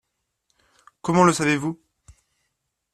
Comment le savez-vous ?